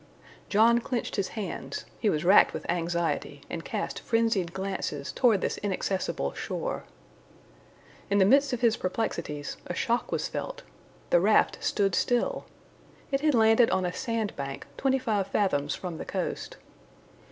John clenched his hands; he was racked with anxiety, and cast frenzied glances toward this inaccessible shore. In the midst of his perplexities, a shock was felt. The raft stood still. It had landed on a sand bank, twenty five fathoms from the coast.